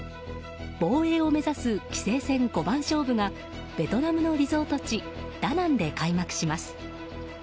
防衛を目指す棋聖戦五番勝負がベトナムのリゾート地ダナンで開幕します。